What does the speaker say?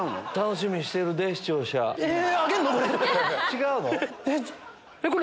違うの？